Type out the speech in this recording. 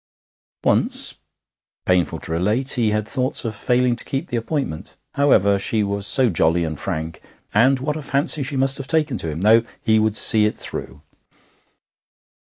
Once, painful to relate, he had thoughts of failing to keep the appointment. However, she was so jolly and frank. And what a fancy she must have taken to him! No, he would see it through.